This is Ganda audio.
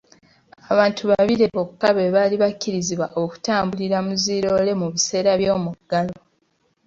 Abantu babiri bokka be baali bakkirizibwa okutambulira mu zi loore mu biseera by'omuggalo.